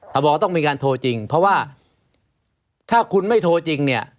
ถ้าบอกว่าต้องมีการโทรจริงเพราะว่าถ้าคุณไม่โทรจริงเนี่ย